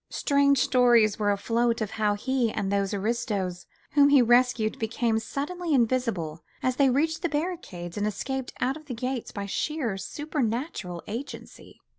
Strange stories were afloat of how he and those aristos whom he rescued became suddenly invisible as they reached the barricades and escaped out of the gates by sheer supernatural agency.